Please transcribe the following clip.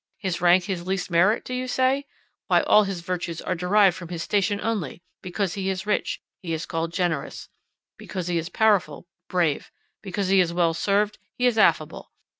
His rank his least merit, do you say? Why, all his virtues are derived from his station only; because he is rich, he is called generous; because he is powerful, brave; because he is well served, he is affable.